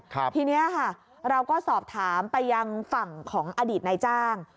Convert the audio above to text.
ทีนี้ค่ะเราก็สอบถามไปยังฝั่งของอดีตนายจ้าง